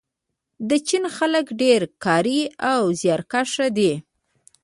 د چین خلک ډیر کاري او زیارکښ دي.